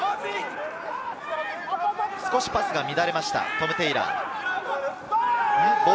少しパスが乱れました、トム・テイラー。